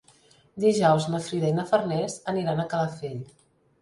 Dijous na Frida i na Farners aniran a Calafell.